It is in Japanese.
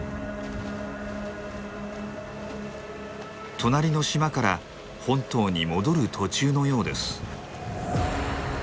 隣の島から本島に戻る途中のようです。